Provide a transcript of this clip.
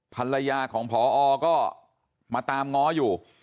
ภรรยาของพอก็มาตามง้ออยู่